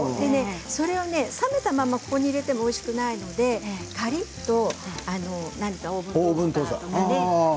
それは冷めたままここに入れてもおいしくないのでカリッとオーブントースターとかでね